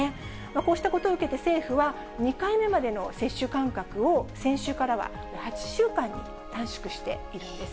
こうしたことを受けて政府は、２回目までの接種間隔を、先週からは８週間に短縮しているんです。